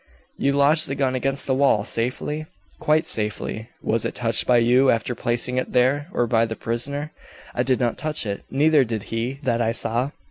"You lodged the gun against the wall safely?" "Quite safely." "Was it touched by you, after placing it there, or by the prisoner?" "I did not touch it; neither did he, that I saw.